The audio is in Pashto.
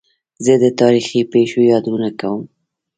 زه د تاریخي پېښو یادونه کوم.